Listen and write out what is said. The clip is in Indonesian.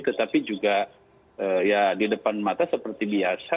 tetapi juga ya di depan mata seperti biasa